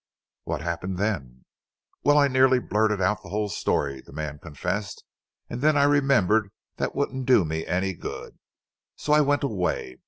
"What happened then?" "Well, I nearly blurted out the whole story," the man confessed, "and then I remembered that wouldn't do me any good, so I went away.